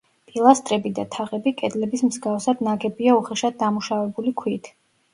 პილასტრები და თაღები კედლების მსგავსად ნაგებია უხეშად დამუშავებული ქვით.